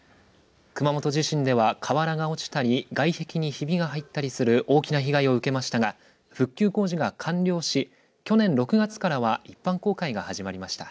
熊本地震では瓦が落ちたり、外壁にひびが入ったりする大きな被害を受けましたが、復旧工事が完了し、去年６月からは一般公開が始まりました。